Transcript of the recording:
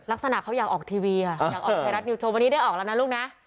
ลักษณะเขาอยากออกทีวีอยากออกไทยรัฐนิวโชว์วันนี้ได้ออกแล้วนะลูกนะ